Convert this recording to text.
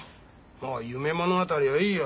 もう夢物語はいいよ